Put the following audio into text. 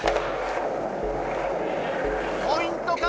ポイント